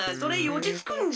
おちつくんじゃ！